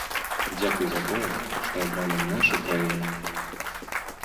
Дзякуй за тое, што абралі нашу краіну.